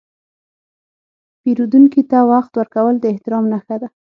پیرودونکي ته وخت ورکول د احترام نښه ده.